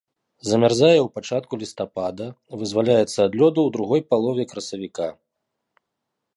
Замярзае ў пачатку лістапада, вызваляецца ад лёду ў другой палове красавіка.